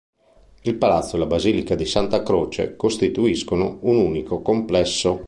Il palazzo e la basilica di Santa Croce costituiscono un unico complesso.